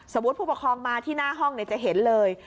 ผู้ปกครองมาที่หน้าห้องจะเห็นเลย